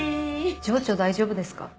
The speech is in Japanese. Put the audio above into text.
情緒大丈夫ですか？